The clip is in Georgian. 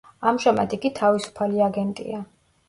ამჟამად იგი თავისუფალი აგენტია.